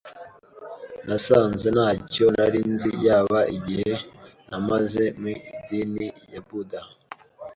nasanze ntacyo nari nzi, yaba igihe namaze mu idini ya Buda